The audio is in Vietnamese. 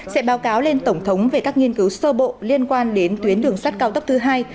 sẽ báo cáo lên tổng thống về các nghiên cứu sơ bộ liên quan đến tuyến đường sắt cao tốc thứ hai